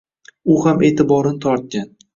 U ham e’tiborini tortgan